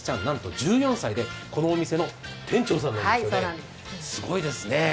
なんと１４歳でこのお店の店長さんなんですよね。